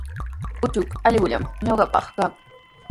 Uchuk allqullami ñuqapaqa kan.